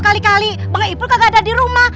kali kali bang ipul kagak ada di rumah